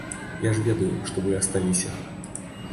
Я ж ведаю, што вы асталіся.